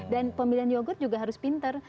dan pemilihan yogurt juga harus pinter